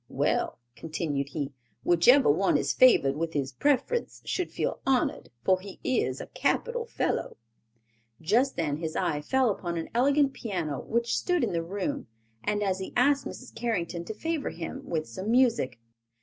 "Well," continued he, "whichever one is favored with his preference should feel honored, for he is a capital fellow." Just then his eye fell upon an elegant piano which stood in the room and he asked Mrs. Carrington to favor him with some music.